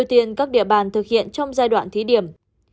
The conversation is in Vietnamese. ưu tiên các địa bàn thực hiện trong giai đoạn thí điểm